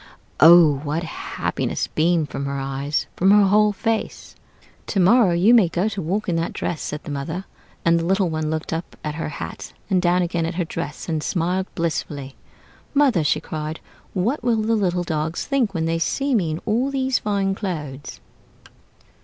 Oh! what happiness beamed from her eyes, from her whole face. 'To morrow you may go to walk in the dress,' said the mother; and the little one looked up at her hat and down again at her dress, and smiled blissfully. 'Mother,' she cried, 'what will the little dogs think when they see me in all these fine clothes?'"